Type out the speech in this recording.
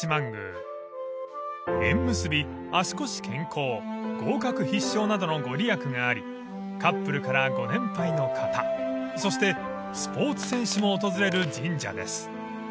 ［縁結び足腰健康合格必勝などの御利益がありカップルからご年配の方そしてスポーツ選手も訪れる神社です］